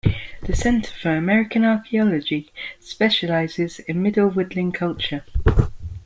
The Center for American Archeology specializes in Middle Woodland culture.